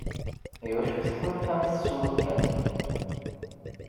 Iwacu tḥulfamt s wakken?